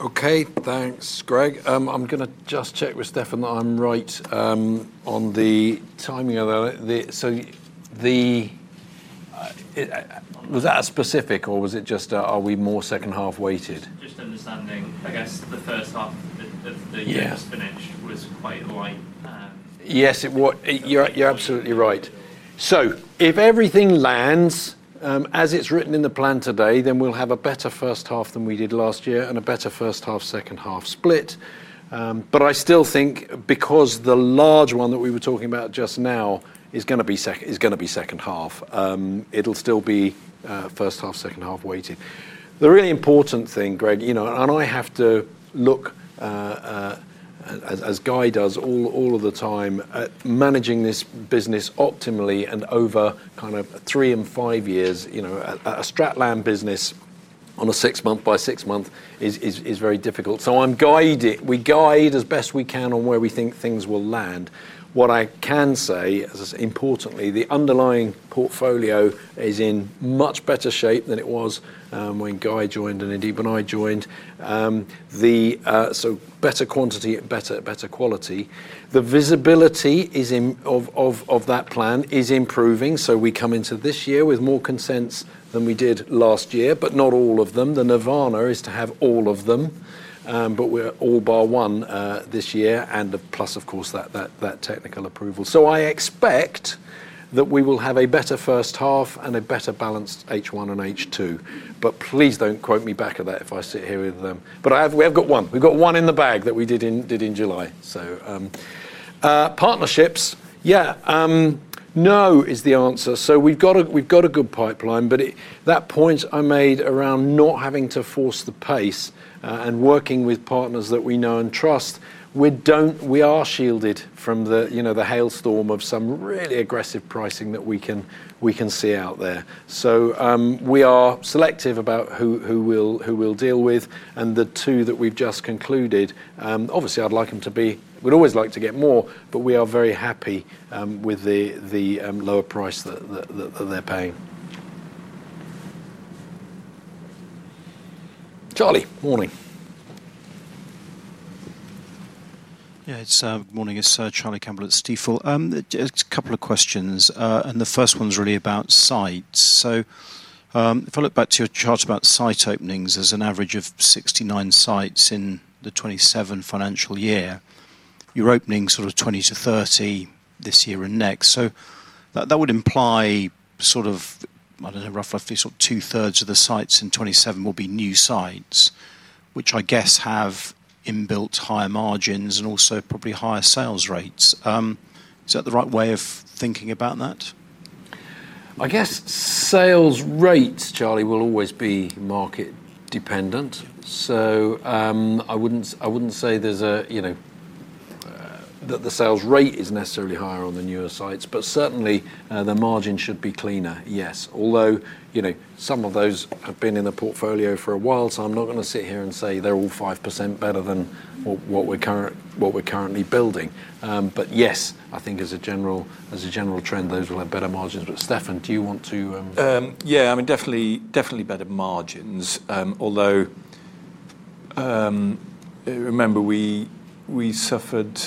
Okay, thanks, Greg. I'm going to just check with Stefan that I'm right on the timing of the... Was that a specific, or was it just, are we more second half weighted? I guess the first half, the first finish was quite the way. Yes, you're absolutely right. If everything lands as it's written in the plan today, then we'll have a better first half than we did last year and a better first half, second half split. I still think because the large one that we were talking about just now is going to be second half, it'll still be first half, second half weighted. The really important thing, Greg, you know, and I have to look, as Guy does all of the time, at managing this business optimally and over kind of three and five years, you know, a strat land business on a six month by six month is very difficult. I'm guiding. We guide as best we can on where we think things will land. What I can say, importantly, the underlying portfolio is in much better shape than it was when Guy joined and indeed when I joined. Better quantity, better quality. The visibility of that plan is improving. We come into this year with more consents than we did last year, but not all of them. The nirvana is to have all of them, but we're all bar one this year, and plus, of course, that technical approval. I expect that we will have a better first half and a better balanced H1 and H2. Please don't quote me back at that if I sit here with them. We have got one. We've got one in the bag that we did in July. Partnerships, yeah, no is the answer. We've got a good pipeline, but that point I made around not having to force the pace and working with partners that we know and trust. We are shielded from the hailstorm of some really aggressive pricing that we can see out there. We are selective about who we'll deal with. The two that we've just concluded, obviously, I'd like them to be, we'd always like to get more, but we are very happy with the lower price that they're paying. Charlie, morning. Yeah, it's morning. It's Charlie Campbell at Stifel. Just a couple of questions. The first one's really about sites. If I look back to your chart about site openings, there's an average of 69 sites in the 2027 financial year. You're opening sort of 20-30 this year and next. That would imply, I don't know, roughly 2/3 of the sites in 2027 will be new sites, which I guess have inbuilt higher margins and also probably higher sales rates. Is that the right way of thinking about that? I guess sales rates, Charlie, will always be market dependent. I wouldn't say there's a, you know, that the sales rate is necessarily higher on the newer sites, but certainly the margin should be cleaner, yes. Although some of those have been in the portfolio for a while, I'm not going to sit here and say they're all 5% better than what we're currently building. Yes, I think as a general trend, those will have better margins. Stefan, do you want to? Yeah, I mean, definitely better margins. Although, remember, we suffered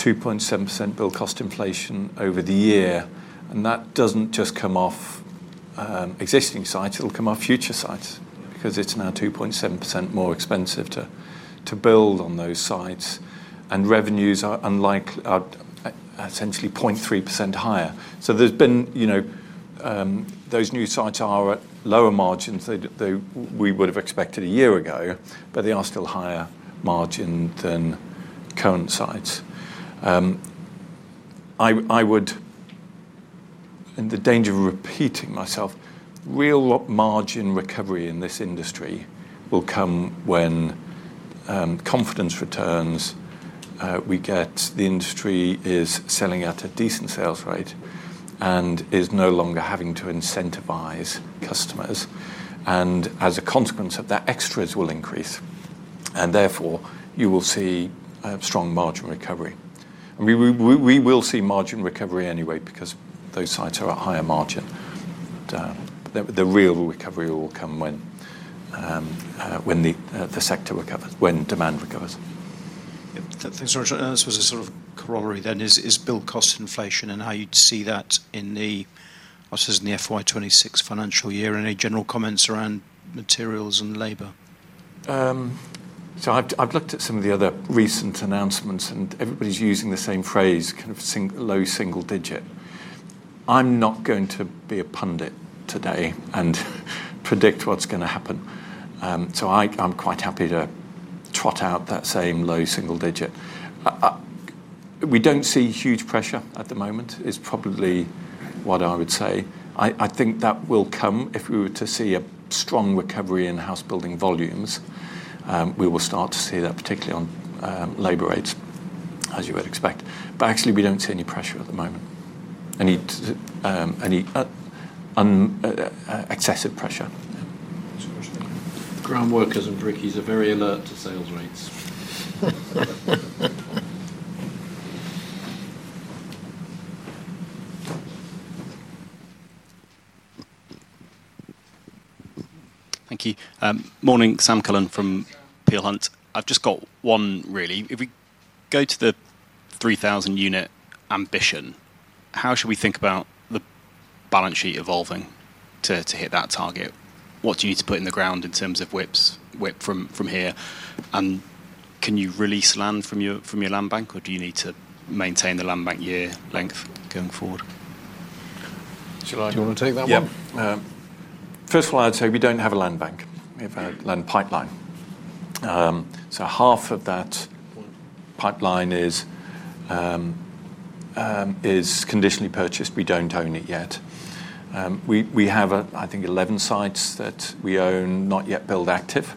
2.7% build cost inflation over the year. That doesn't just come off existing sites. It'll come off future sites because it's now 2.7% more expensive to build on those sites. Revenues are essentially 0.3% higher. There's been, you know, those new sites are at lower margins than we would have expected a year ago, but they are still higher margin than current sites. I would, at the danger of repeating myself, say real margin recovery in this industry will come when confidence returns. The industry is selling at a decent sales rate and is no longer having to incentivize customers. As a consequence of that, extras will increase. Therefore, you will see strong margin recovery. We will see margin recovery anyway because those sites are at higher margin. The real recovery will come when the sector recovers, when demand recovers. Thanks, George. This was a sort of corollary then. Is build cost inflation and how you'd see that in the, I suppose, in the FY 2026 financial year and any general comments around materials and labor? I've looked at some of the other recent announcements, and everybody's using the same phrase, kind of low single-digit. I'm not going to be a pundit today and predict what's going to happen. I'm quite happy to trot out that same low single digit. We don't see huge pressure at the moment, is probably what I would say. I think that will come if we were to see a strong recovery in house building volumes. We will start to see that, particularly on labor rates, as you would expect. Actually, we don't see any pressure at the moment. Any excessive pressure? Groundworkers and RICS are very alert to sales rates. Thank you. Morning, Sam Cullen from Peel Hunt. I've just got one, really. If we go to the 3,000 unit ambition, how should we think about the balance sheet evolving to hit that target? What do you need to put in the ground in terms of WIPs from here? Can you release land from your land bank, or do you need to maintain the land bank year length going forward? Do you want to take that one? Yeah. First of all, I'd say we don't have a land bank. We have a land pipeline. Half of that pipeline is conditionally purchased. We don't own it yet. We have, I think, 11 sites that we own not yet build active.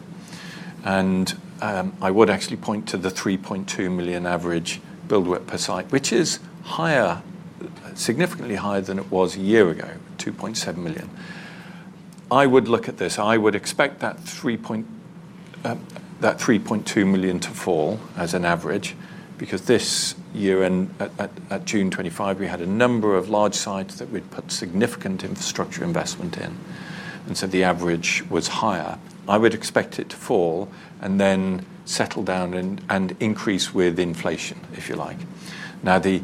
I would actually point to the £3.2 million average build width per site, which is higher, significantly higher than it was a year ago, £2.7 million. I would look at this. I would expect that £3.2 million to fall as an average because this year at June 2025, we had a number of large sites that we'd put significant infrastructure investment in, and so the average was higher. I would expect it to fall and then settle down and increase with inflation, if you like. Now, the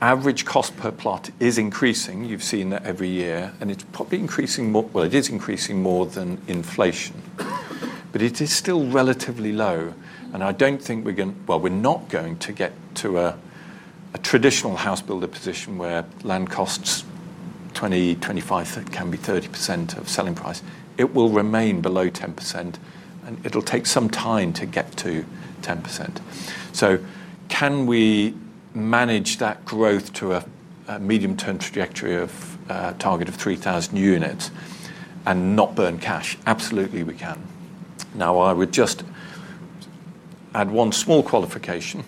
average land cost per plot is increasing. You've seen that every year, and it's probably increasing more. It is increasing more than inflation, but it is still relatively low. I don't think we're going to, we're not going to get to a traditional house builder position where land costs 20%, 25%, can be 30% of selling price. It will remain below 10%, and it'll take some time to get to 10%. Can we manage that growth to a medium-term trajectory of a target of 3,000 units and not burn cash? Absolutely, we can. I would just add one small qualification.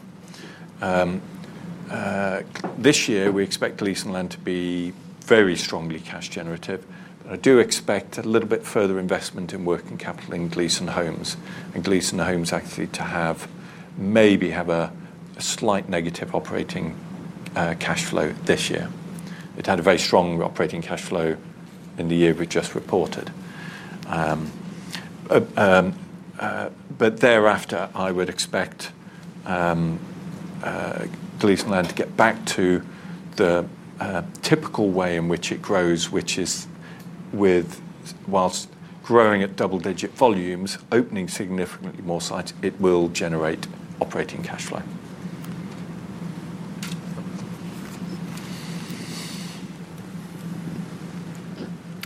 This year, we expect Gleeson Land to be very strongly cash generative. I do expect a little bit further investment in working capital in Gleeson Homes and Gleeson Homes actually to have maybe a slight negative operating cash flow this year. It had a very strong operating cash flow in the year we just reported. Thereafter, I would expect Gleeson Land to get back to the typical way in which it grows, which is whilst growing at double-digit volumes, opening significantly more sites, it will generate operating cash flow.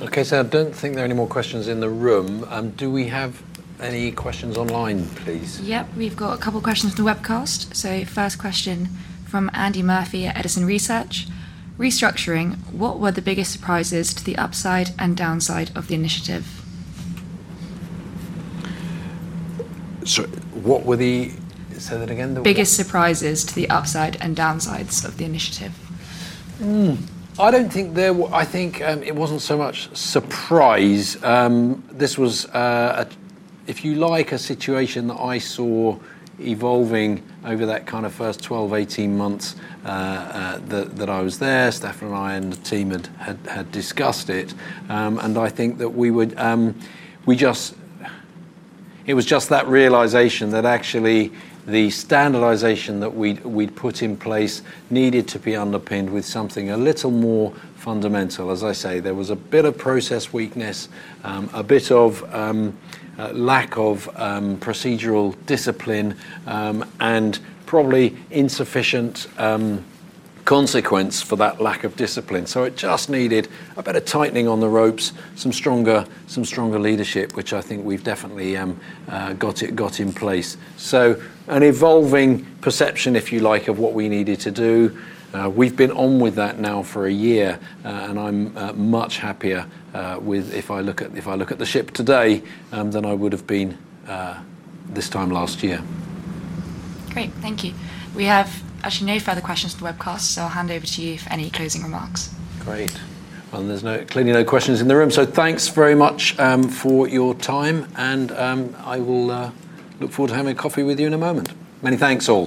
Okay, I don't think there are any more questions in the room. Do we have any questions online, please? Yep, we've got a couple of questions for the webcast. The first question from Andy Murphy at Edison Research: Restructuring, what were the biggest surprises to the upside and downside of the initiative? Sorry, what were the, say that again? The biggest surprises to the upside and downsides of the initiative? I don't think there, I think it wasn't so much surprise. This was, if you like, a situation that I saw evolving over that kind of first 12, 18 months that I was there. Stefan and I and the team had discussed it. I think that we would, it was just that realization that actually the standardization that we'd put in place needed to be underpinned with something a little more fundamental. As I say, there was a bit of process weakness, a bit of lack of procedural discipline, and probably insufficient consequence for that lack of discipline. It just needed a bit of tightening on the ropes, some stronger leadership, which I think we've definitely got in place. An evolving perception, if you like, of what we needed to do. We've been on with that now for a year, and I'm much happier with, if I look at the ship today, than I would have been this time last year. Great, thank you. We have no further questions to the webcast, so I'll hand over to you for any closing remarks. Great. There's clearly no questions in the room. Thanks very much for your time, and I will look forward to having a coffee with you in a moment. Many thanks, all.